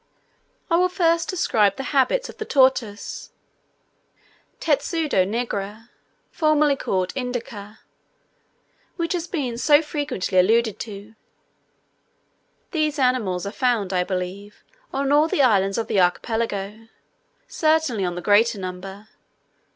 I will first describe the habits of the tortoise (Testudo nigra, formerly called Indica), which has been so frequently alluded to. These animals are found, I believe, on all the islands of the archipelago; certainly on the greater number.